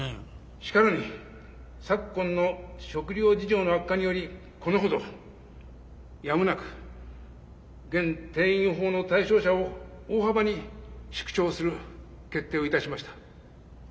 「しかるに、昨今の食糧事情の悪化により、このほど、止むなく、現『定員法』の対象者を大幅に縮小する決定をいたしました。